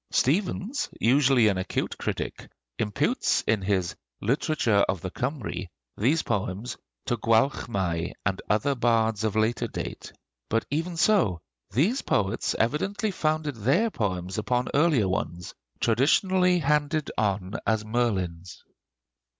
Stephens, usually an acute critic, imputes in his 'Literature of the Kymry' these poems to Gwalchmai and other bards of later date. But even so, these poets evidently founded their poems upon earlier ones, traditionally handed on as Merlin's.